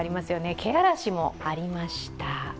けあらしもありました。